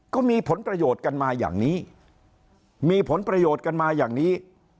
ก็มีผลประโยชน์กันมาอย่างนี้